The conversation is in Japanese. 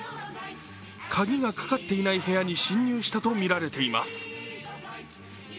鍵がかかっていない部屋に侵入したとみられています。